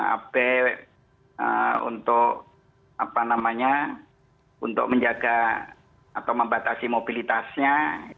ab untuk apa namanya untuk menjaga atau membatasi mobilitasnya